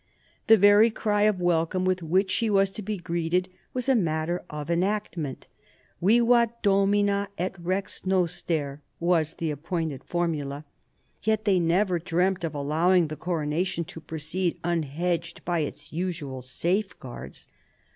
The very cry of welcome with which she was to be greeted was a matter of enactment. " Vivat Domina et rex noster," was the appointed formula. Yet they never dreamt of allowing the coronation to proceed unhedged by its usual safeguards.